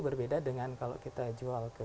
berbeda dengan kalau kita jual ke